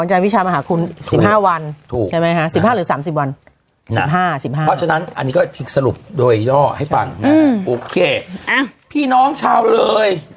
ของใจวิชามหาคุณ๑๕วันถูกใช่ไหมฮะ๑๕หรือ๓๐วัน๑๕๑๕เพราะฉะนั้นอันนี้ก็ทิ้งสรุปโดยย่อให้ฟังโอเคพี่น้องชาวเลย